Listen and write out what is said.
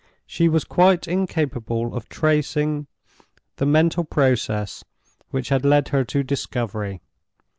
She was quite incapable of tracing the mental process which had led her to discovery.